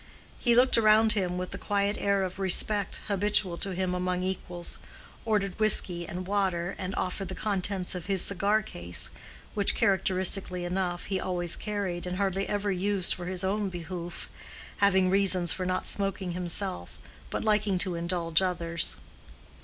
He looked around him with the quiet air of respect habitual to him among equals, ordered whisky and water, and offered the contents of his cigar case, which, characteristically enough, he always carried and hardly ever used for his own behoof, having reasons for not smoking himself, but liking to indulge others.